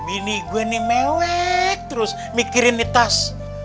ini gua nih mewek terus mikirin ni tas